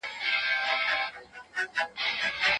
لیدل کېږي. جنتیکي څېړنې دا هم ښيي چې پښتانه له جنتیکي